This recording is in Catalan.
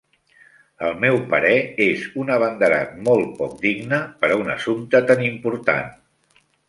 Al meu parer, és un abanderat molt poc digne per a un assumpte tan important.